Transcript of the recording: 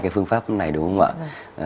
cái phương pháp này đúng không ạ